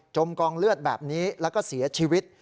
กองเลือดแบบนี้แล้วก็เสียชีวิต